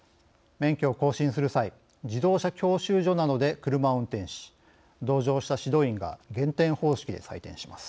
免許を更新する際自動車教習所などで車を運転し同乗した指導員が減点方式で採点します。